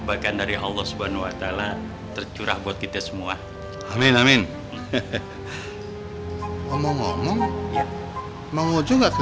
bagaimana kalau sekalian kita menunggu